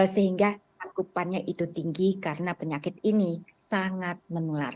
sehingga tanggupannya itu tinggi karena penyakit ini sangat menular